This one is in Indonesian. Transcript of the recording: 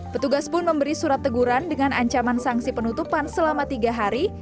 petugas pun memberi surat teguran dengan ancaman sanksi penutupan selama tiga hari